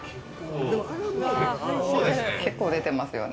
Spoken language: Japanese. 結構出てますよね。